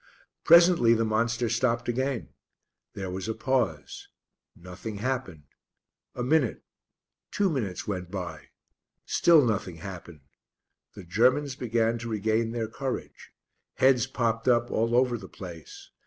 Presently the monster stopped again. There was a pause. Nothing happened. A minute two minutes went by. Still nothing happened. The Germans began to regain their courage. Heads popped up all over the place.